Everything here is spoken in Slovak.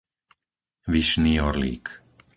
Vyšný Orlík